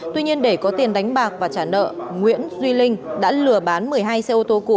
tuy nhiên để có tiền đánh bạc và trả nợ nguyễn duy linh đã lừa bán một mươi hai xe ô tô cũ